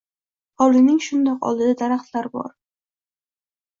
Hovlining shundoq oldida daraxtlar bor